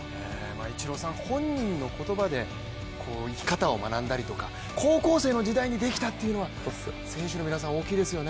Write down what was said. イチローさん本人の言葉で生き方を学んだりとか高校生の時代にできたっていうのは選手の皆さん、大きいですよね。